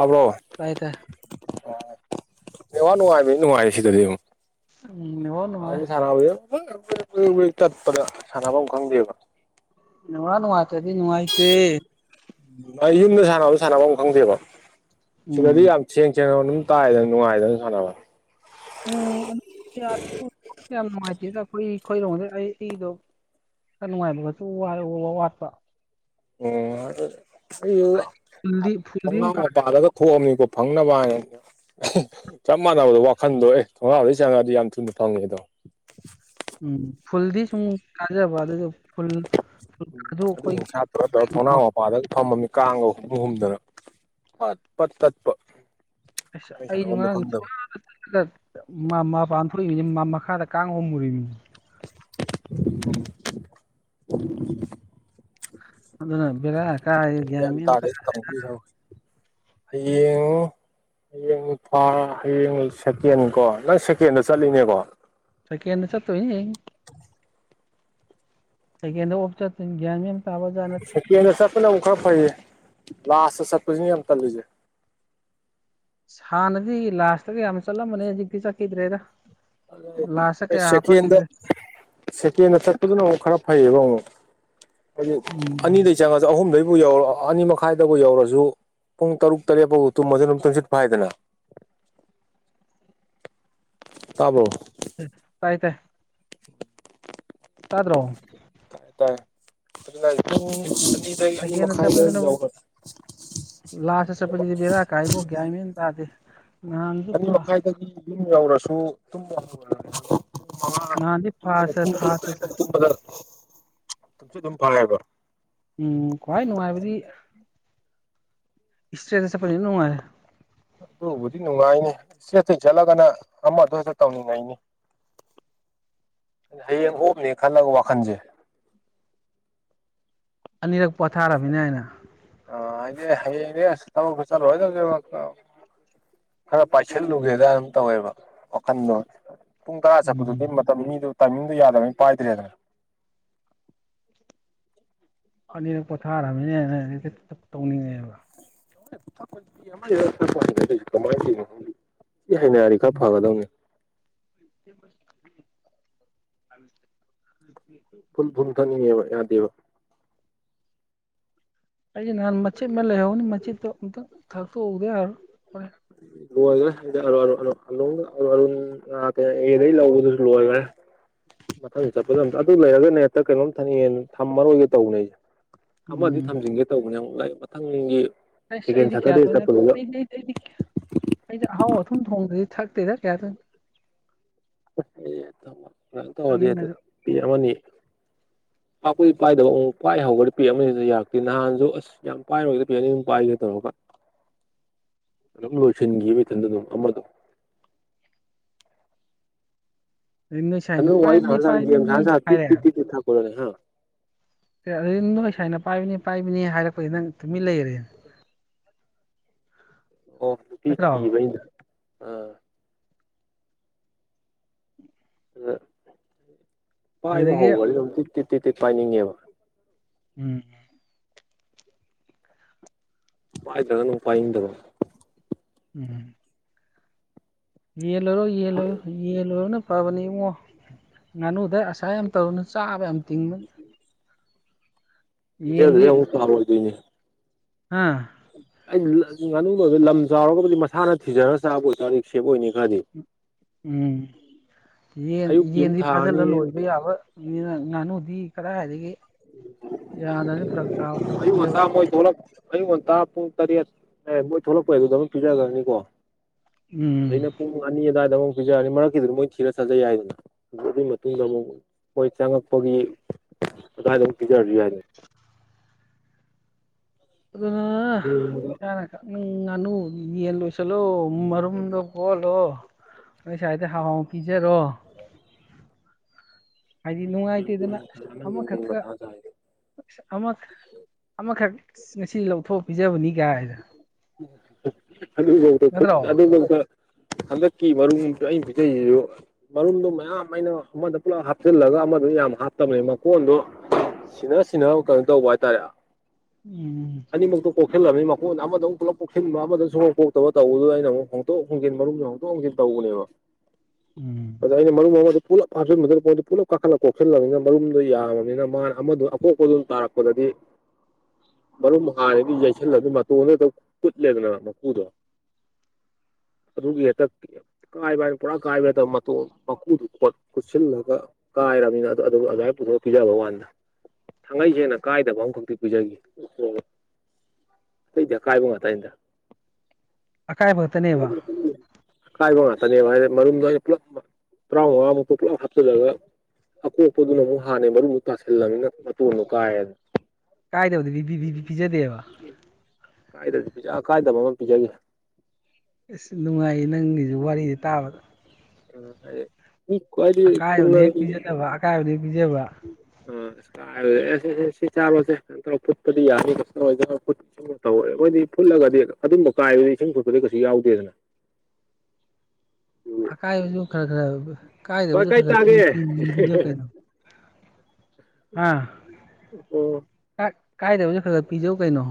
ꯑ ꯀꯥꯏ ꯇꯦ ꯑꯦ ꯋꯥ ꯅꯨꯡꯉꯥꯏ ꯃꯤꯅꯤ ꯅꯨꯡꯉꯥꯏꯌꯦ ꯁꯤꯗꯗꯤ ꯑꯃꯨꯛ ꯎꯝ ꯏꯉꯣ ꯅꯨꯅꯨꯡꯃꯥꯏ ꯆꯠꯄꯗ ꯁꯥꯟꯅꯐꯝ ꯈꯪꯗꯦꯕ ꯅꯨꯡꯉꯅꯅꯨꯡꯉꯇꯗꯤ ꯅꯨꯡꯉꯥꯏꯇꯦ ꯎ ꯑꯩ ꯌꯨꯝꯗ ꯁꯥꯟꯅꯕ ꯁꯥꯟꯅꯕ ꯑꯃ ꯈꯪꯗꯦꯕ ꯁꯤꯗꯗꯤ ꯎꯝ ꯌꯥꯝ ꯊꯦꯡ ꯆꯦꯡꯡꯂꯣ ꯑꯗꯨꯝ ꯇꯥꯏꯗꯅ ꯅꯨꯡꯉꯥꯏꯗꯅꯝ ꯁꯥꯟꯅꯕ ꯎꯝ ꯌꯥꯝ ꯅꯨꯡꯉꯥꯏꯇꯦꯗ ꯑꯩꯈꯣꯏ ꯑꯩꯈꯣꯏꯔꯣꯝꯗ ꯑꯩ ꯑꯩꯗꯣ ꯈꯔ ꯅꯨꯡꯉꯥꯏꯕꯒꯁꯨ ꯋꯥꯔꯦ ꯎꯕ ꯋꯥꯠꯄ ꯐꯨꯜꯗꯤ ꯐꯨꯜꯗꯤ ꯑꯃꯨꯛ ꯀꯥ ꯎꯄꯔꯗ ꯊꯣꯛꯅꯤ ꯐꯪꯅꯅꯕ ꯆꯞ ꯃꯥꯟꯅꯕꯗꯣ ꯋꯥꯈꯟꯗꯣ ꯑꯦ ꯊꯣꯡꯉꯩ ꯆꯪꯉꯛꯑꯗꯤ ꯌꯥꯝ ꯊꯨꯅ ꯐꯪꯉꯦ ꯑꯗꯣ ꯎꯝ ꯐ ꯎꯝ ꯑꯗꯨ ꯁꯥꯇ꯭ꯔꯗ ꯊꯣꯡꯅꯥꯎ ꯃꯄꯥꯗꯒ ꯊꯝꯃꯝꯃꯤ ꯀꯥꯡꯒ ꯍꯨꯝꯐ ꯍꯨꯝꯗꯅ ꯐꯠ ꯄꯠ ꯇꯠꯄ ꯑ ꯃꯣꯏ ꯑꯩꯁꯨ ꯁꯥꯟꯅꯐꯝꯗꯣ ꯈꯪꯗꯕ ꯉꯉꯥꯡꯃꯄ ꯊꯣꯛꯏꯅꯤ ꯃꯈꯥꯗ ꯀꯥꯡ ꯍꯣꯝꯃꯨꯔꯤꯕꯅꯤ ꯎ ꯑꯗꯨꯅꯕꯕꯤꯂ ꯀꯥꯏ ꯒ꯭ꯌꯥꯟ ꯃꯦꯟ ꯇꯥ ꯇꯥꯔꯦ ꯀꯍ ꯍꯌꯦꯡ ꯍꯌꯦꯡ ꯊꯥ ꯍꯌꯦꯡ ꯁꯦꯀꯦꯟ ꯀꯣ ꯅꯪ ꯁꯦꯀꯦꯟꯗ ꯆꯠꯂꯤꯅꯦꯀꯣ ꯇ ꯀꯅ ꯆꯊ ꯑꯩ ꯍ ꯁ ꯀꯅ ꯆꯄꯅ ꯑꯃꯛ ꯈꯔ ꯐꯩꯌꯦ ꯂꯥꯁꯇꯦ ꯁꯠꯀꯁꯨꯅꯤ ꯌꯥꯝꯝꯇꯜ ꯂꯤꯨꯖꯦ ꯍꯥꯟꯅꯗꯤ ꯂꯥꯁꯇꯒ ꯌꯥꯝ ꯆꯠꯂꯝꯕꯅꯦ ꯍꯧꯖꯤꯛꯇꯤ ꯆꯠꯈꯤꯗ꯭ꯔꯦꯗ ꯂꯥꯁꯇ ꯑꯩ ꯀꯌꯥ ꯁꯦꯀꯦꯟꯗ ꯍꯥꯞꯄꯛꯈꯤꯗ꯭ꯔꯦ ꯁꯦꯀꯦꯟꯗ ꯆꯠꯄꯗꯨꯅ ꯑꯃꯨꯛ ꯈꯔ ꯐꯩꯌꯦꯕꯣ ꯍꯥꯏꯗꯤ ꯎꯝ ꯑꯅꯤꯗꯩ ꯆꯪꯉꯁꯨ ꯑꯍꯨꯝꯗꯩ ꯕꯨ ꯌꯧꯔ ꯑꯅꯤ ꯃꯈꯥꯏꯗꯕꯨ ꯌꯧꯔꯁꯨ ꯄꯨꯡ ꯇꯔꯨꯛ ꯇꯔꯦꯠ ꯐꯥꯎꯕ ꯇꯨꯝ ꯃꯊꯟ ꯊ ꯁꯤꯠ ꯐꯥꯏꯗꯅ ꯇꯥꯕꯣ ꯀꯥꯗ꯭ꯔꯣ ꯇꯅꯤ ꯈꯗ ꯌꯥꯎꯒ ꯂꯥꯁ ꯆꯄꯗꯤ ꯕꯔꯥ ꯀꯥꯏꯕꯣꯛꯒꯦꯃꯤꯦꯟ ꯇꯗꯤ ꯑꯅꯤ ꯃꯈꯥꯏꯗꯒꯤ ꯌꯨꯝ ꯌꯧꯔꯁꯨ ꯇꯨꯝ ꯖꯔ ꯅꯍꯥꯟꯗꯤ ꯐꯥꯁ ꯐꯥꯁꯇ ꯆꯠ ꯇꯁꯨ ꯑꯗꯨꯝ ꯐꯂ ꯍꯥꯏꯕ ꯎꯝ ꯈ꯭ꯋꯥꯏ ꯅꯨꯡꯉꯥꯏꯕꯗꯤ ꯏꯁꯇꯦꯗ ꯆꯄꯅꯨꯡꯉꯥꯏꯔꯦ ꯅꯨꯡꯉꯥꯏꯅꯦ ꯏꯆꯦ ꯑꯆ ꯆꯠꯂꯒꯅ ꯑꯃ ꯑꯗꯨ ꯍꯗ ꯇꯧꯅꯤꯡꯉꯥꯏꯅꯤ ꯍꯌꯦꯡ ꯑꯣꯞꯅꯦ ꯈꯜꯂꯒ ꯋꯥꯈꯟꯁꯦ ꯑꯅꯤꯔꯛ ꯄꯣꯊꯥꯔꯕꯅꯤꯅ ꯑꯩꯅ ꯑ ꯑꯅꯦ ꯍꯌꯦꯅꯦ ꯐ ꯆꯔ ꯑꯣꯏꯗꯒꯦ ꯈꯔ ꯄꯥꯏꯁꯤꯜꯂꯨꯒꯦꯗꯅ ꯇꯧꯋꯦꯕ ꯋꯥꯈꯜꯗꯣ ꯄꯨꯡ ꯇꯔꯥ ꯆꯠꯄꯗꯨꯗꯤ ꯎꯝ ꯃꯇꯝ ꯃꯤꯗꯨ ꯇꯥꯏꯃꯤꯡꯗꯨꯣ ꯌꯥꯗꯕꯅꯤ ꯄꯥꯏꯗ꯭ꯔꯦꯗꯅ ꯑꯅꯤꯔ ꯄꯣꯊꯥꯔꯃꯤꯅꯦ ꯇꯧꯅꯤꯡꯉꯦꯕ ꯀꯥꯏ ꯑꯦ ꯍꯥꯏꯩꯅꯔꯤ ꯈꯔ ꯐꯒꯗꯧꯅꯤ [unintelligible] ꯐꯨꯜ ꯐꯨꯟꯊꯅꯤꯕ ꯌꯥꯗꯕ ꯑꯩꯁꯦ ꯅꯍꯥꯟ ꯃꯆꯦꯠ ꯑꯃ ꯂꯩꯍꯧꯅꯤ ꯃꯆꯦꯠꯇꯣ ꯑꯃꯨꯛꯇꯪ ꯊꯥꯛꯇꯣꯛꯎꯗ ꯌꯥꯔꯣ ꯍꯣꯔꯦ ꯎꯝ ꯂꯣꯏꯈ꯭ꯔꯦ ꯑꯔ ꯑꯦꯗꯩ ꯂꯧꯕꯗꯨꯁꯨ ꯂꯣꯏꯈ꯭ꯔꯦ ꯃꯊꯪ ꯆꯠꯄꯗ ꯑ ꯑꯗꯨ ꯂꯩꯔꯒꯅ ꯍꯦꯛꯇ ꯀꯩꯅꯣꯝ ꯊꯅꯤꯡꯉꯌꯦ ꯊꯝꯃꯔꯣꯏꯒꯦ ꯇꯧꯕꯅꯦ ꯑꯩꯁꯦ ꯑꯃꯗꯤ ꯎꯝ ꯊꯝꯖꯤꯟꯒꯦ ꯇꯧꯕꯅꯦ ꯑꯃꯨꯛ ꯂꯥꯏꯛ ꯃꯊꯪꯒꯤ ꯑꯁ ꯁꯦꯀꯦꯟ ꯀ ꯁꯇꯔꯗꯦ ꯆꯠꯄꯗꯨꯗ ꯑꯩꯁ ꯑꯍꯥꯎ ꯑꯊꯨꯝ ꯊꯣꯡꯗ꯭ꯔꯗꯤ ꯊꯛꯇꯦꯗ ꯀꯌꯥꯗꯪ ꯊꯛꯅꯤꯡꯉꯁꯨ ꯗꯤ ꯄꯅꯤ ꯄꯥꯛꯄꯗꯤ ꯄꯥꯏꯗꯕ ꯑꯃꯛ ꯄꯥꯏꯍꯧꯒ꯭ꯔꯗꯤ ꯄꯦ ꯑꯃꯅꯤꯅꯤꯁꯨ ꯌꯥꯔꯛꯇꯦ ꯅꯍꯥꯟꯁꯨ ꯑꯁ ꯌꯥꯝ ꯄꯥꯏꯔꯣꯏꯒꯗꯤ ꯄꯦ ꯑꯅꯤ ꯑꯗꯨꯝ ꯄꯥꯏꯒ꯭ꯔꯦ ꯇꯧꯔꯒ [unintelligible] ꯑ [inaudible] ꯂꯣꯏꯁꯤꯟꯒꯤ ꯃꯊꯟꯗꯅ ꯑꯃꯗꯣ ꯑꯗꯩ ꯅꯣꯏ ꯁꯥꯏꯅ ꯑꯗꯨ ꯋꯥꯏ ꯄꯥꯏꯕꯅꯤ ꯄꯥꯏꯕꯅꯤ ꯁ ꯍꯥꯄꯤ ꯍꯥꯏꯔꯦ [inaudible] ꯊꯣꯂ꯭ꯔꯦ ꯍꯥ ꯇꯨꯃꯤ ꯂꯩꯒꯔꯦ ꯑꯣꯕ [inaudible] ꯑ ꯑꯗ ꯄꯥꯏꯕ ꯑꯗꯨꯗꯒꯤ ꯍꯧꯕꯗꯤ ꯑꯗꯨꯝ ꯇꯤ ꯇꯤꯛ ꯇꯤꯛ ꯇꯤ ꯄꯥꯏꯅꯤꯡꯉꯦꯕ ꯎꯝ ꯄꯥꯏ ꯗꯔꯒꯅ ꯄꯥꯏꯗꯕ ꯎꯝ ꯌꯦꯟ ꯂꯣꯏꯔꯣ ꯌꯦꯟ ꯂꯣꯏꯔꯣ ꯌꯦꯟ ꯂꯣꯏꯔꯣꯅ ꯄꯥꯕꯅꯦ ꯏꯉꯣ ꯉꯥꯅꯨ ꯑꯁꯥ ꯌꯥꯝ ꯇꯧꯔꯨꯅ ꯆꯥꯕ ꯌꯥꯝ ꯇꯤꯡꯕꯅꯤ ꯖꯦ ꯎꯁꯨ ꯑꯣꯏꯗꯣꯏꯅꯤ [inaudible] ꯑꯥ ꯑꯩ ꯉꯥꯅꯕ ꯂꯝ ꯆꯥꯎꯔꯒꯕꯨꯗꯤ ꯃꯁꯥꯅ ꯊꯤꯖꯔꯒ ꯆꯥꯕ ꯑꯣꯏꯇꯥꯔꯗꯤ ꯁꯦꯞ ꯑꯣꯏꯅꯤ ꯈꯔꯗꯤ ꯎꯝ ꯌꯦꯟ ꯑꯌꯨꯛꯀꯤ ꯑꯃ ꯌꯦꯟꯗꯤ ꯊꯥꯔꯅꯤ ꯐꯥꯖꯤꯜꯂ ꯂꯣꯏꯕ ꯌꯥꯕ ꯉꯥꯅꯨꯗꯤ ꯀꯗꯥꯋꯥꯏꯗꯒꯤ ꯌꯥꯗꯕꯅ ꯐꯔꯛ ꯆꯥꯕ ꯑꯌꯨꯛ ꯊꯕꯛꯅꯦꯕ ꯉꯟꯇꯥ ꯃꯣꯏ ꯊꯣꯛꯂꯛ ꯑꯌꯨꯛ ꯉꯟꯇꯥ ꯄꯨꯡ ꯇꯔꯦꯠ ꯑꯦ ꯃꯣꯏ ꯊꯣꯛꯂꯛꯄ ꯍꯥꯏꯗꯨꯗ ꯑꯗꯨꯝ ꯄꯤꯖꯈ꯭ꯔꯅꯤꯀꯣ ꯑꯗ ꯎꯝ ꯏꯅ ꯄ ꯑꯅꯤꯗꯕ ꯄꯄꯤꯖꯥꯔꯅꯤ ꯃꯔꯛꯀꯤꯗꯨ ꯃꯣꯏ ꯊꯤꯔ ꯆꯠꯖꯩ ꯌꯥꯏꯗꯅ ꯑꯗꯨ ꯑꯗꯨꯒꯤ ꯃꯇꯨꯡꯗ ꯑꯃꯨꯛ ꯃꯣꯏ ꯆꯪꯉꯛꯄꯒꯤ ꯑꯥꯏꯗꯖꯔ ꯍꯥꯏꯗ ꯑꯗꯨꯅ ꯅꯣꯡꯃꯗ ꯆꯅ ꯀ ꯎꯝ ꯉꯅꯨ ꯌꯦꯟ ꯂꯣꯏꯁꯜꯂꯣ ꯃꯔꯨꯝꯗꯣ ꯀꯣꯜꯂꯣ ꯑꯩꯁꯋꯥꯗ ꯍꯍꯥꯎ ꯄꯤꯖꯔꯣ [inaudible] ꯍꯥꯏꯗꯤ ꯌꯦꯡꯒꯣꯟ ꯅꯨꯡꯉꯥꯏꯇꯦꯗꯅ ꯁꯥꯟꯅꯅꯕꯅꯦ ꯑꯃꯈꯛꯀ ꯃꯊꯥ ꯁꯥꯏꯁꯦ ꯑꯁ ꯑꯃ ꯑꯃꯈꯛ ꯉꯁꯤ ꯂꯧꯊꯣꯛ ꯄꯤꯖꯕꯅꯤ ꯒꯥꯏꯗꯣ ꯑꯗꯨꯐꯧꯗ ꯈꯨꯠ ꯑꯗꯨꯐꯧꯗ ꯍꯟꯗꯛ ꯀꯤ ꯃꯔꯨꯝꯗꯨ ꯑꯩꯅ ꯄꯤꯖꯩꯁꯤꯁꯨ ꯃꯔꯨꯝꯗꯣ ꯃꯌꯥꯝ ꯑꯩꯅ ꯑꯃꯗ ꯄꯨꯂꯞ ꯍꯥ ꯍꯥꯞꯆꯤꯜꯂꯒ ꯑꯃꯗꯨ ꯌꯥꯝ ꯍꯥꯞꯇꯕꯅꯤ ꯃꯀꯣꯟꯗꯣ ꯁꯤꯅ ꯁꯤꯟꯅ ꯀꯩꯅꯣ ꯇꯧꯕ ꯍꯥꯏꯇꯥꯔꯦ ꯎꯝ ꯁꯤꯜꯕꯅꯤ ꯃꯈꯣꯏꯗ ꯑꯃꯧꯨ ꯄꯨꯂꯞ ꯄꯣꯛꯁꯤꯟꯕ ꯑꯃꯗꯧ ꯁꯨꯡꯎꯣꯛ ꯄꯣꯛꯇꯕ ꯇꯧꯕꯗꯨꯗ ꯑꯩꯅ ꯑꯃꯨ ꯍꯣꯡꯗꯣꯛ ꯍꯣꯡꯖꯤꯟ ꯃꯔꯨꯝꯁꯨ ꯍꯣꯡꯇꯣꯛ ꯍꯟꯖꯤꯟ ꯇꯧ ꯎꯝ [inaudible] ꯄꯨꯂꯞ ꯀꯥꯈꯠꯂꯒ ꯀꯣꯁꯤꯜꯂꯕꯅꯤꯅ ꯃꯔꯨꯝꯗꯨꯣ ꯌꯥꯝꯃꯕꯅꯤꯅ ꯃꯥꯅ ꯑꯃꯗ ꯑꯄꯣꯛꯄꯗꯨꯣ ꯇꯥꯔꯛꯄꯗꯗꯤ ꯃꯔꯨꯝ ꯍꯔꯗꯤ ꯌꯩꯁꯜꯂ ꯑꯗꯨ ꯃꯇꯣꯟꯗꯇ ꯀꯨꯠꯂꯦꯗꯅ ꯃꯀꯨꯗꯣ [inaudible] ꯑꯗꯨꯒꯤ ꯍꯦꯛꯇ ꯀꯥꯏꯕ ꯍꯥꯏꯅ ꯄꯨꯔꯥ ꯀꯥꯏꯕ ꯍꯦꯛꯇ ꯃꯇꯣ ꯃꯀꯨꯗꯨ ꯈꯨꯠꯁꯤꯜꯂꯒ ꯀꯥꯏꯅꯤꯅ ꯑꯗꯨꯥꯏ ꯄꯨꯊꯣꯛ ꯄꯤꯖꯕ ꯋꯥꯥꯟꯗ ꯊꯥꯡꯉꯩ ꯁꯦꯡꯅ ꯀꯥꯏꯗꯕ ꯑꯃꯈꯛꯇꯤ ꯄꯤꯖꯒꯦ ꯑꯩꯗꯤꯀꯥꯏꯕ ꯉ ꯇꯗ ꯑꯀꯥꯏꯕ ꯈꯛꯇꯅꯦꯕ ꯀꯥꯏ ꯉꯇꯅꯦ ꯍꯥꯏꯗꯤ ꯃꯔꯨꯝꯗ ꯄꯨꯂꯞ ꯇꯔꯥꯃꯉꯥꯃꯨꯛꯇ ꯄꯨꯂꯞ ꯍꯥꯞꯆꯂꯒ ꯑꯀꯣꯛꯄꯗꯨꯅ ꯑꯃꯨꯛ ꯍꯥꯟꯅꯦ ꯃꯔꯨ ꯇꯥꯁꯤꯜꯂꯝꯃꯤꯅ ꯀꯥꯏꯗꯕꯗꯤ ꯕꯤꯕꯤꯕꯤ ꯄꯤꯖꯗꯤꯕ ꯀꯥꯏꯗ ꯄꯤ ꯀꯥꯏꯗꯕ ꯑꯃ ꯄꯤꯖꯒꯦ ꯑꯁ ꯅꯨꯡꯉꯥꯏꯌꯦ ꯅꯪꯒꯤꯁꯨ ꯋꯥꯔꯤꯁꯦ ꯇꯥꯕꯗ ꯎ ꯍꯥꯏ ꯑꯀꯥꯏꯕꯅ ꯍꯦꯛ ꯄꯤꯖꯗꯕ ꯑꯀꯥꯏꯕꯅ ꯄꯤꯖꯕ ꯑꯦꯁ ꯁꯤ ꯆꯥꯔꯨꯔꯁꯦ ꯇꯧꯔ ꯐꯨꯠꯄꯗꯤ ꯌꯥꯅꯤꯨꯝ ꯇꯧꯔꯣꯏ ꯐꯨꯠꯂꯒꯗꯤ ꯑꯗꯨꯝꯕ ꯀꯥꯏꯕ ꯏꯁꯤꯡ ꯐꯨꯠꯄꯗꯤ ꯀꯩꯁꯨ ꯌꯥꯎꯗꯦꯗꯅ ꯑꯀꯥꯏꯕꯁꯨ ꯈꯔ ꯈꯔ ꯀꯥꯏꯗ ꯚꯥꯏ ꯀꯥꯏ ꯈꯔꯒ ꯇꯥꯒꯦ ꯄꯤꯖꯧ ꯀꯩꯅꯣ ꯍꯥꯥ ꯑꯣ ꯀ ꯀꯥꯏꯗꯕꯁꯨ ꯈꯔ ꯄꯤꯖꯧ ꯀꯩꯅꯩꯅꯣ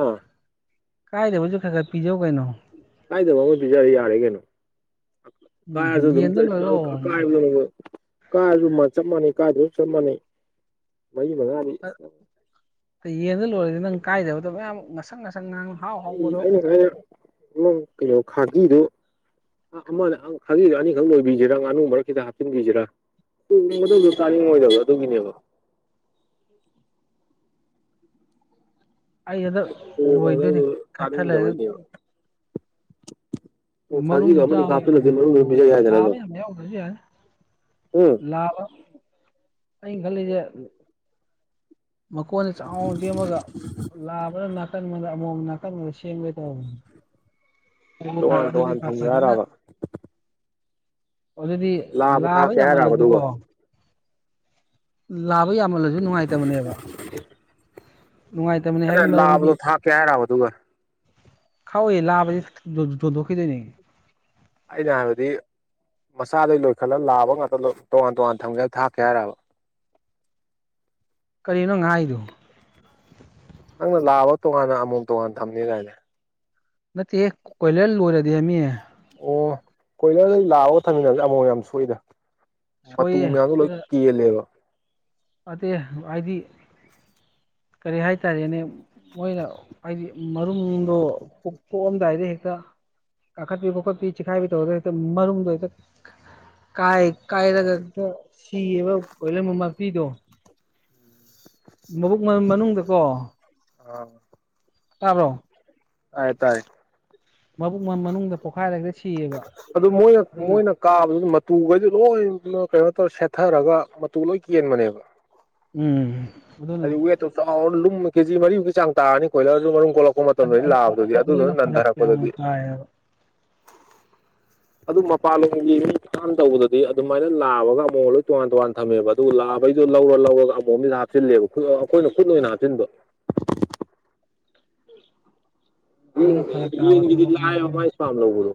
ꯑꯥ ꯀꯥꯏꯗꯦ ꯍꯧꯁꯨꯛ ꯈꯔ ꯈꯔ ꯄꯤꯖꯧ ꯀꯩꯅꯣ ꯀꯥꯏꯗꯕꯃ ꯄꯤꯖꯔ ꯌꯥꯔꯦ ꯀꯩꯅꯣ ꯀꯥꯏ ꯑꯖ ꯎꯝ ꯊ ꯌꯦꯟꯗ ꯂꯣꯏꯔꯣ ꯀꯥꯏ ꯑꯖ ꯅꯒꯣ ꯀꯥ ꯑꯗꯨ ꯆꯞ ꯃꯥꯟꯅꯩ ꯀꯥꯗꯨꯁꯨ ꯆꯞ ꯃꯥꯟꯅꯩ ꯃꯔꯤ ꯃꯉ ꯌꯦꯟꯗ ꯂꯣꯏꯔꯦꯗꯤ ꯅꯪ ꯀꯥꯏꯗꯕꯗꯣ ꯃꯌꯥꯝ ꯉꯁꯪ ꯉꯁꯪ ꯉ ꯍꯥꯎ ꯑꯩ ꯍꯥꯎꯕꯗꯣ ꯑꯩꯅ ꯍꯥꯏ ꯅꯪ ꯀꯩꯅꯣ ꯈꯥꯖꯤꯗꯨꯣ ꯑ ꯑꯃꯅꯦ ꯈꯥꯒꯤꯗ ꯑꯅꯤꯈꯛ ꯂꯣꯏꯕꯤꯁꯤꯔꯥ ꯑꯅ ꯃꯔꯛ ꯈꯤꯇ ꯍꯥꯞꯆꯤꯟꯕꯤꯁꯤꯔꯥ ꯃꯇꯝꯗꯨ ꯀꯥꯅꯤꯡꯉꯣꯏꯗꯕ ꯑꯗꯨꯒꯤꯅꯦꯕ ꯑꯩ ꯑꯗꯣ ꯂꯣꯏꯗꯣꯏꯅꯤ ꯀꯣꯡꯒꯗꯧꯗꯣ ꯈꯠꯊꯠ ꯂꯩꯒ ꯆꯥꯅꯤꯡꯗꯕꯩꯅꯦꯕ ꯃꯔꯨꯝ ꯈꯥꯒꯤꯗꯣ ꯑꯃꯅꯤ ꯇꯥꯕꯒꯤ ꯍꯥꯞꯆꯤꯜꯂꯗꯤ ꯑꯣꯏꯒꯦꯔ ꯃꯅꯨꯡꯗ ꯄꯤꯖ ꯑꯣꯏꯒꯦꯔꯥ ꯌꯥꯏꯗꯅ ꯂꯥꯕ ꯑꯗꯨꯝ ꯌꯥꯝ ꯌꯥꯎꯗ꯭ꯔꯁꯨ ꯌꯥꯔꯦ ꯎꯝ ꯂꯥ ꯑ ꯈꯂꯤꯦ ꯃꯀꯣꯟꯗ ꯆꯥꯎ ꯆꯃꯒ ꯂꯥꯕꯅ ꯃ ꯃ ꯅꯀꯥꯟ ꯃ ꯁꯦꯡ ꯇꯣꯉꯥꯟ ꯇꯣꯉꯥꯟ ꯊꯝꯖꯔꯕ ꯑꯗꯨꯗꯤ ꯂꯥꯕ ꯊꯥꯛꯀꯦ ꯍꯥꯏꯔꯕ ꯌꯥꯝꯃꯜꯂꯁꯨ ꯀꯣ ꯑꯗꯨꯒ ꯂꯥꯕ ꯌꯥꯝꯃꯜꯂꯁꯨ ꯅꯨꯡꯉꯥꯏꯇꯕꯅꯦꯕ ꯅꯨꯡꯉꯥꯏꯇꯕꯅꯤ ꯑꯩꯅ ꯍꯥꯏꯕꯒꯤ ꯃꯔꯝꯗꯤ ꯂꯥꯕꯗꯣ ꯊꯥꯛꯀꯦ ꯍꯥꯏꯔꯕ ꯑꯗꯨꯒ ꯈꯥꯎ ꯂꯕꯗ ꯀꯗꯅꯤ ꯑꯗ ꯌꯥꯗꯤ ꯃꯁꯥꯗꯩ ꯂꯣꯏꯈꯠꯂꯒ ꯂꯥꯕ ꯉꯥꯛꯇ ꯇꯣꯉꯥꯟ ꯇꯣꯉꯥꯟ ꯊꯝꯒꯦ ꯍꯥꯏ ꯊꯥꯛꯀꯦ ꯍꯥꯏꯔꯕ ꯀꯔꯤꯅꯣ ꯉꯥꯏꯗꯨ ꯅꯪꯅ ꯂꯥꯛꯑꯕ ꯇꯣꯉꯥꯟꯅ ꯑꯃꯣꯝ ꯇꯣꯉꯥꯟ ꯊꯝꯅꯤ ꯀꯥꯏꯅꯦ ꯅꯠꯇꯦ ꯀꯣꯏꯂꯔ ꯂꯣꯏꯔꯗꯤ ꯃꯤꯌꯦ ꯑꯣ ꯀꯣꯏꯂꯔꯗ ꯂꯥꯛꯑꯒ ꯊꯝꯃꯤꯟꯅꯁꯦ ꯑꯃꯨꯛ ꯌꯥꯝ ꯁꯣꯛꯏꯗ ꯃꯇꯨ ꯁꯣꯏꯌꯦ ꯃꯌꯥꯝꯗ ꯂꯣꯏ ꯀꯦꯜꯂꯦꯕ ꯑ ꯑꯩꯗꯤ [unintelligible] ꯀꯔꯤ ꯍꯥꯏꯇꯥꯔꯦꯅꯦ ꯃꯣꯏꯅ ꯍꯥꯏꯗꯤ ꯃꯔꯨꯝꯗꯣ ꯀꯣꯛꯊꯣꯛꯑꯝꯗꯥꯏꯗ ꯍꯦꯛꯇ ꯀꯥꯈꯠꯕꯤ ꯈꯠ ꯆꯤꯈꯥꯏꯕꯤ ꯇꯧ ꯃꯔꯗ ꯀꯥꯏ ꯀꯥꯏꯔꯒ ꯁꯤꯌꯦꯕ ꯀꯣꯏꯂꯔ ꯃꯃꯄꯤꯤꯗꯣ ꯃꯕꯨꯛ ꯃꯅꯨꯡꯗꯀꯣ ꯑꯥ ꯁꯥꯕ꯭ꯔꯣ ꯑꯥꯏ ꯇꯥꯏ ꯃ ꯃꯅꯨꯡꯗ ꯄꯣꯈꯥꯏꯔꯒꯦ ꯑꯗꯨ ꯃꯣꯏꯅ ꯃꯣꯏꯅ ꯀꯥꯕꯗꯨ ꯃꯇ ꯇꯨꯈꯩꯗꯨ ꯂꯣꯏ ꯀꯩꯅꯣ ꯇꯧꯔ ꯁꯦꯠꯊꯔꯒ ꯃꯇꯨ ꯂꯣꯏ ꯀꯦꯟꯕꯅꯦꯕ ꯎꯝ ꯑꯗꯨꯅ ꯍꯥꯏꯗꯤ ꯋꯦꯠꯇꯣ ꯆꯥꯎꯔ ꯂꯨꯝ ꯀꯦꯖꯤ ꯃꯔꯤꯃꯨꯛꯀꯤ ꯆꯥꯡ ꯇꯥꯔꯅꯤ ꯈꯣꯏꯂꯔ ꯑꯗꯨ ꯀꯣꯜꯂꯛꯄ ꯃꯇꯝꯗ ꯂꯥꯛꯑꯕꯗꯒꯤ ꯑꯗꯨꯗꯨꯅ ꯑꯗꯨꯅ ꯐꯔꯛ ꯌꯥꯝꯅ ꯅꯟꯊꯔꯛꯄꯗꯒꯤ ꯇꯥꯏꯌꯦꯕ ꯑꯗꯨ ꯃꯄꯥꯟꯂꯣꯝꯒꯤ ꯃꯤ ꯊꯥꯟꯅ ꯇꯧꯕꯗꯗꯤ ꯑꯗꯨꯃꯥꯏꯅ ꯂꯥꯛꯕꯒ ꯑꯃꯨꯛ ꯂꯣꯏ ꯇꯣꯉꯥꯟ ꯇꯣꯉꯥꯟ ꯊꯝꯃꯦꯕ ꯑꯗꯨꯒꯑ ꯑꯩꯩꯗꯣ ꯂꯧꯔ ꯂꯧꯔꯒ ꯑꯃꯨꯣꯝꯁꯤꯗ ꯍꯥꯞꯆꯤꯂꯦꯕ ꯑꯩꯈꯣꯏꯅ ꯈꯨꯠ ꯑꯣꯏꯅ ꯍꯥꯞꯆꯤꯟꯕ ꯑꯗꯨꯅ ꯐꯔꯛ ꯇꯥꯕ ꯌꯦ ꯂꯑ ꯊꯕꯛꯅꯦꯕ ꯑꯗꯨꯝ ꯃꯥꯁꯨ ꯐꯝ ꯂꯧꯣ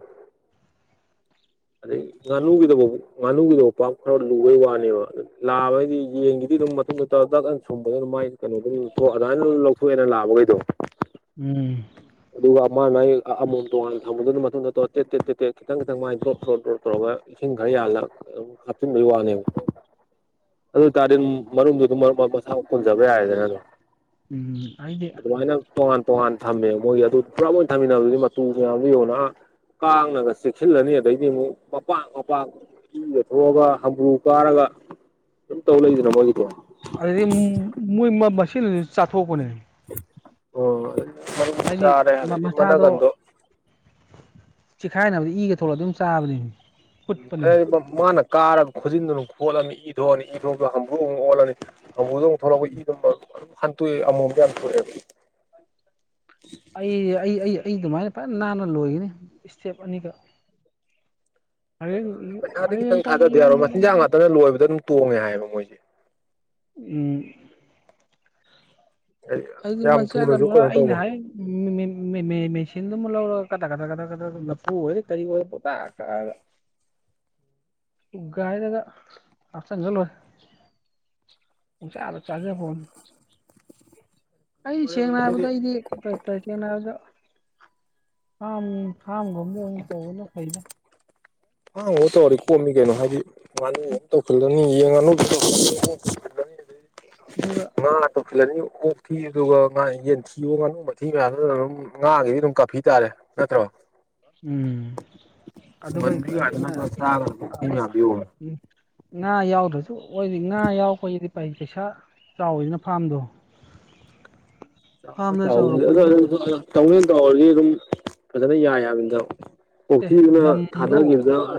ꯑꯗꯩ ꯉꯥꯅꯨꯒꯤꯗꯐ ꯉꯥꯅꯨꯒꯤꯗꯕꯨ ꯄ ꯈꯔ ꯂꯨꯕꯩ ꯋꯥꯅꯦꯕ ꯂꯥꯕꯩꯗꯤ ꯌꯦꯡꯒꯤ ꯑꯗꯨꯝ ꯃꯇꯨꯡ ꯗ ꯁꯨꯝꯕꯗ ꯑꯗꯨ ꯃꯒꯤ ꯀꯩꯅꯣꯗ ꯑꯗꯨꯗꯥꯃꯥꯏ ꯂꯧꯊꯣꯛꯑꯦꯅ ꯂꯥꯛꯕꯈꯩꯗꯣ ꯎꯝ ꯃꯥ ꯃꯥꯒꯤ ꯑꯃꯣꯝ ꯇꯣꯉꯥꯟꯅ ꯊꯝꯝꯕꯗꯨꯅ ꯃꯇꯨꯡꯗ ꯇꯣ ꯇꯦ ꯇꯦꯠ ꯇꯦ ꯇꯦꯠ ꯈꯤꯇ ꯇꯪ ꯃꯥꯏꯣ ꯇ ꯏꯁꯤꯡ ꯈ ꯌꯥꯜꯂꯒ ꯍꯥꯞꯆꯤꯟ ꯋꯥꯅꯦ ꯑꯗꯨ ꯇꯥꯔꯗꯤ ꯃꯔꯨꯝꯗꯨ ꯑꯗꯨꯝ ꯃꯁꯥꯨ ꯄꯨꯟꯖꯕ ꯌꯥꯏꯗꯅ ꯑꯗꯣ ꯎꯝ ꯍꯥꯏꯗꯦ ꯇꯣꯉꯥꯟ ꯊꯝꯃꯦ ꯃꯣꯏꯒꯤ ꯑꯗꯨ ꯄꯨꯔꯂꯞ ꯃ ꯑꯣꯏꯅ ꯊꯝꯃꯤꯟꯅꯕꯗꯨꯗꯤ ꯃꯇꯨ ꯃꯌꯥꯝꯗꯨ ꯌꯣꯟꯅ ꯀꯥꯡꯉꯒ ꯆꯦꯛꯁꯤꯜꯂꯅꯤ ꯑꯗꯩꯗꯤ ꯑꯃꯨꯛ ꯃꯄꯥꯛ ꯃꯄꯥꯛ ꯏꯤꯗ ꯊꯣꯛꯑꯒ ꯍꯝꯄ꯭ꯔꯨ ꯀꯥꯔꯒ ꯁꯇ ꯍꯂꯒꯗꯦꯅꯃ ꯑꯃꯒꯤꯗꯤ ꯁꯤꯅꯁꯨ ꯆꯥꯊꯣꯛꯄꯅꯦ ꯑꯣ ꯍꯥꯏꯗꯤ ꯆꯔꯦꯔꯦ ꯃꯅꯦꯒ ꯑꯗꯨ ꯆꯤꯈꯥꯏꯅꯕꯗꯤ ꯏꯒ ꯊꯣꯂꯒ ꯑꯗꯨꯝ ꯆꯥꯕꯅꯤ ꯀꯨꯠꯄꯅꯤ ꯃꯥꯅ ꯀꯥꯔꯒ ꯈꯨꯖꯤꯟꯗꯨꯅ ꯈꯣꯠꯂꯅꯤ ꯏ ꯊꯣꯛꯑꯅꯤ ꯏ ꯊꯣꯛꯗꯣ ꯍꯝꯝꯕ꯭ꯔꯨ ꯑꯃꯨꯛ ꯑꯣꯜꯂꯅꯤ ꯍꯝꯝꯕ꯭ꯔꯗꯨ ꯑꯃꯨꯛ ꯊꯣꯛꯂꯛꯄ ꯏꯗꯨ ꯍꯥꯟ ꯇꯨ ꯑꯃꯨ ꯌꯥꯝꯔꯦ ꯑꯩ ꯑꯩ ꯑꯩ ꯑꯩ ꯑꯗꯨꯃꯥꯏꯅ ꯐꯖ ꯅꯥꯟꯅ ꯂꯣꯏꯒꯅꯤ ꯏꯁꯇꯦꯞ ꯑꯅꯤꯒ ꯆ ꯍꯌꯦꯡ ꯄꯩꯁꯥꯗ ꯍꯌꯦꯡ ꯈꯤꯇꯪ ꯀꯣꯟꯅ ꯊꯥꯗꯗ ꯌꯥꯔꯣ ꯃꯆꯤꯟꯖꯥꯛ ꯌꯨꯝꯗ ꯉꯥꯛꯇꯅ ꯂꯣꯏꯕꯗ ꯑꯗꯨꯝ ꯇꯣꯡꯉꯦ ꯍꯥꯏꯌꯦꯕ ꯃꯣꯏꯁꯦ ꯎꯝ ꯍꯥꯏꯗꯤ ꯑꯩꯗꯤ ꯃꯥ ꯌꯥꯝ ꯀꯔ ꯊꯨꯅꯁꯨ ꯀꯩꯅꯣ ꯑꯩꯩꯅ ꯇꯧꯕ ꯍꯥꯏ ꯃꯦꯆꯤꯟꯗꯨ ꯑꯃꯨꯛ ꯂꯧꯔꯒ ꯀꯊꯛ ꯀꯊ ꯀꯊꯛ ꯀꯊ ꯂꯐꯨ ꯑꯣꯏꯔꯦ ꯀꯔꯤ ꯑꯣꯏꯔ ꯄꯣ [inaudible] ꯎꯒꯥꯏꯗꯗ ꯑꯞ ꯆꯪꯒ ꯂꯦ ꯍꯧꯁ ꯑꯂꯣ ꯆꯒꯦ ꯐꯣꯟ ꯑꯩꯗꯤ ꯑꯗꯨꯝ ꯁꯦꯡꯅ ꯍꯥꯏꯗꯤ ꯍꯥꯏꯔꯕꯗꯣ ꯑꯩꯗꯤ ꯇ ꯁꯦꯡꯅ ꯍꯥꯏꯕꯗꯣ ꯑꯝ ꯀꯝꯒꯝꯕꯅ ꯐꯩꯂ ꯑꯪꯉ ꯇꯧꯔꯤ ꯀꯣꯝꯃꯤ ꯀꯩꯅꯣ ꯍꯥꯏꯗꯤ ꯃꯥꯅꯤ ꯇꯧꯁꯤꯜꯂꯅꯤ ꯌꯦꯡꯉꯅꯨ ꯑꯗꯨꯒ ꯉꯥ ꯍꯥꯠꯇꯣ ꯐꯤꯂꯅꯤ ꯑꯣꯛ ꯊꯤ ꯑꯗꯨꯒ ꯉꯥ ꯌꯦꯟꯊꯤꯌꯣ ꯉꯥꯅꯨ ꯃꯊꯤ ꯃꯌꯥꯝꯗꯨꯗ ꯑꯗꯨꯝ ꯉꯥꯒꯤꯗꯤ ꯑꯗꯨꯝ ꯀꯥꯞꯄꯤ ꯇꯥꯔꯦ ꯅꯠꯇ꯭ꯔꯣ ꯎꯝ ꯑꯗꯨꯕꯨ ꯅ ꯊ꯭ꯔꯗꯣ ꯉꯥ ꯌꯥꯎꯗ꯭ꯔꯁꯨ ꯑꯣꯏꯗꯤ ꯉꯥ ꯌꯥꯎꯈꯣꯏꯗꯤ ꯄꯩ ꯄꯩꯁꯥ ꯆꯥꯎꯋꯤꯁꯤꯅ ꯐꯥꯔꯝꯗꯣ ꯆꯥꯎ ꯆꯗꯦꯟ ꯇꯥꯎꯔꯗꯤ ꯑꯗꯨꯝ ꯐꯖꯅ ꯌꯥ ꯌꯥꯕꯅꯤꯠꯇ ꯑꯦ ꯄꯣꯛꯊꯤꯗꯨꯅ ꯂꯝꯗꯣ ꯊꯥꯗꯈꯤꯕꯗ ꯑ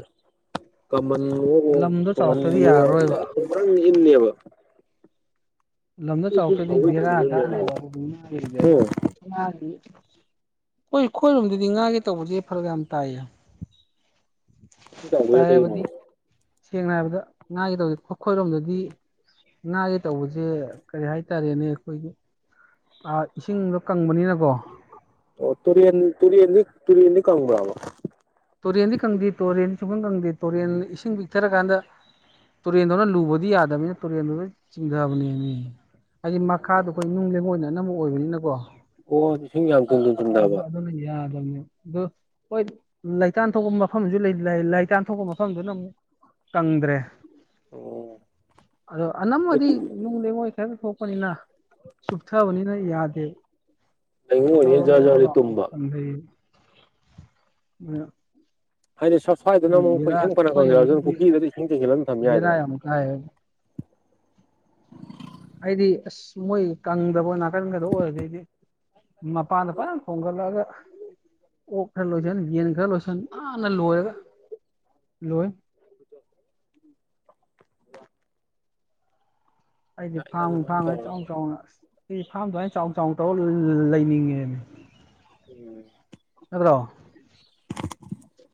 ꯀꯍꯟꯣ ꯂꯝꯗꯣ ꯆꯥꯎꯔꯛꯇ꯭ꯔꯗꯤ ꯌꯥꯔꯔꯣꯏꯕ ꯇꯣꯡꯍꯟꯕꯤꯌꯣꯇꯪ ꯏꯟꯅꯦꯕ ꯂꯝꯗ ꯄꯤꯠ ꯄꯤꯠ ꯆꯥꯎꯔꯛꯇ꯭ꯔꯗꯤ ꯁꯧꯒꯩ ꯕꯦꯔꯥ ꯊꯝꯕꯗꯨꯅꯅꯦ ꯈꯅꯦꯕ ꯑꯗꯨ ꯍꯨꯝ ꯑꯗꯣꯁꯤ ꯍꯣꯏ ꯑꯩꯈꯣꯏꯔꯣꯝꯗꯗꯤ ꯉꯥꯒꯤꯦ ꯇꯧꯕꯁꯦ ꯐꯔꯒ ꯌꯥꯝ ꯇꯥꯏꯌꯦ ꯁꯤ ꯇꯥꯎ ꯇꯥꯏ ꯀꯩ ꯍꯥꯏꯕꯗꯤ ꯃꯥꯉ ꯁꯦꯡꯅ ꯍꯥꯏꯔꯕꯗ ꯉꯥꯒꯗꯧꯗꯤꯦ ꯈꯨꯈꯣꯏꯔꯣꯝꯗꯗꯤ ꯉꯥꯒꯤ ꯇꯧꯕꯁꯦ ꯀꯔꯤ ꯍꯥꯏꯇꯥꯔꯦꯅꯦ ꯑꯩꯈꯣꯏꯒꯤ ꯏꯁꯤꯡꯗꯣ ꯀꯪꯕꯅꯤꯅꯀꯣ ꯇꯨꯔꯤꯟ ꯇꯨꯔꯤꯌꯦꯟ ꯀꯪꯔꯣ ꯇꯨꯔꯦꯟꯗꯤ ꯀꯪꯗꯦ ꯍꯥꯏ ꯀꯥꯟꯗ ꯇꯨꯔꯦꯟꯗꯧꯅ ꯂꯨꯕꯗꯤ ꯌꯥꯗꯕꯅꯤꯅ ꯇꯨꯔꯦꯟꯗꯨꯅ ꯆꯤꯡꯊꯕꯅꯦꯅꯦ ꯍꯥꯏꯗꯤ ꯃꯈꯥꯗꯣ ꯑꯩꯈꯣꯏ ꯅꯨꯡ ꯂꯩꯦꯡꯉꯣꯏꯅꯅꯕ ꯑꯃꯛ ꯑꯣꯏꯕꯅꯤꯅꯀꯣ ꯑꯣ ꯂꯤꯁꯤꯡ ꯌꯥꯝ ꯇꯨꯝ ꯇ ꯇꯨꯝꯗꯕ ꯑꯗꯨ ꯍꯣꯏ ꯂꯩꯇꯥꯟ ꯊꯣꯛꯄ ꯃꯐꯝꯁꯨ ꯂꯩ ꯏꯆꯥꯟ ꯊꯣꯛꯄ ꯃꯐꯝꯗꯨꯅ ꯑꯃꯨꯛ ꯀꯪꯗ꯭ꯔꯦ ꯑꯣꯝ ꯑꯗꯣ ꯑꯅꯝꯕꯗꯤ ꯅꯨꯡꯗ ꯃꯣꯏ ꯈꯦꯛꯇ ꯊꯣꯛꯄꯅꯤꯅ ꯆꯨꯞꯊꯕꯅꯤꯅ ꯌꯥꯗꯦ ꯂꯩꯉꯣꯏ ꯑꯣꯏꯅ ꯖꯔ ꯖꯔꯗꯤ ꯂꯥꯎ ꯇꯨꯝꯕ ꯇꯝꯊꯩ ꯎ ꯍꯥꯏꯗꯤ ꯁꯞ ꯁ꯭ꯋꯥꯏꯗꯨꯅ ꯑꯃꯨꯛ ꯑꯩꯈ ꯏꯦꯡ ꯐꯅ ꯐꯪꯖ꯭ꯔ ꯑꯗꯨꯅ ꯌꯨꯝꯒꯤꯗꯤ ꯄꯨꯈ꯭ꯔꯤꯗꯨꯗꯤ ꯏꯁꯤꯡ ꯆꯦꯛꯁꯤꯜꯂ ꯊꯝ ꯕꯦꯔꯥ ꯌꯥꯏꯗꯅ [inaudible] ꯌꯥꯝ ꯀꯥꯏꯌꯦ ꯍꯥꯏꯗꯤ ꯑꯁ ꯃꯣꯏ ꯀꯪꯗꯕ ꯅꯥꯀꯟꯒꯗ ꯑꯣꯏꯔꯗꯗꯤ ꯃꯄꯥꯟꯝꯗꯄꯥꯔ ꯀꯣꯒꯜꯂꯑꯒ ꯑꯣꯛ ꯈꯔ ꯂꯣꯏꯁꯤꯟ ꯌꯦꯟ ꯈꯔ ꯂꯣꯏꯁꯟ ꯅꯥꯟꯅ ꯂꯣꯏꯔꯒ ꯂꯣꯏ ꯎꯝ ꯑꯩꯗꯤ ꯌꯥꯏꯗ ꯐꯥꯝ ꯑꯗꯨꯃꯥꯏꯅ ꯐꯥꯝꯉ ꯆꯥꯎ ꯇꯧꯔꯒ ꯆꯥꯎꯅ ꯑꯁ ꯑꯩꯗꯤ ꯐꯥꯔꯝꯗꯃꯥꯏꯅ ꯆꯥꯎ ꯆꯥꯎ ꯇꯧꯔ ꯂꯩꯅꯤꯡꯉꯦꯅꯦ ꯎ ꯅꯠꯇ꯭ꯔꯣ